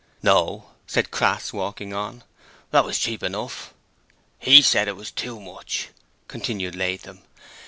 'No,' said Crass, walking on; 'that was cheap enough!' HE said it was too much,' continued Latham.